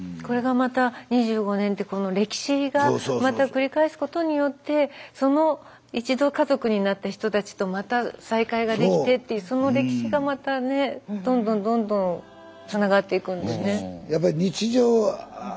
これがまた２５年ってこの歴史がまた繰り返すことによってその一度家族になった人たちとまた再会ができてっていうその歴史がまたねどんどんどんどんつながっていくんですね。